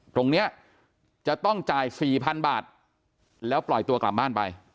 ตรงนี้จะต้องจ่าย๔๐๐๐บาทแล้วปล่อยตัวกลับบ้านไป